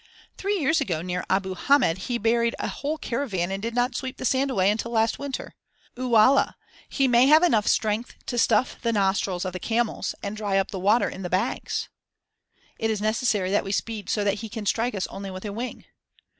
] "Three years ago near Abu Hamed he buried a whole caravan and did not sweep the sand away until last winter. Ualla! He may have enough strength to stuff the nostrils of the camels and dry up the water in the bags." "It is necessary that we speed so that he strike us only with a wing."